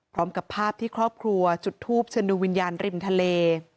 พร้อมกับภาพที่ครอบครัวจุดทูปเชิญดูวิญญาณริมทะเล